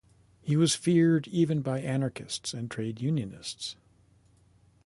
He was feared even by anarchists and trade unionists.